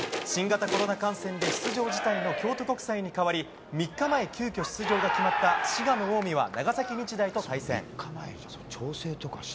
新型コロナ感染で出場辞退の京都国際に代わり３日前、急きょ出場が決まった滋賀の近江は長崎日大と対戦。